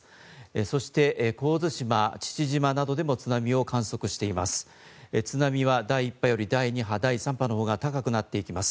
そして神津島、父島などでも津波を観測しています。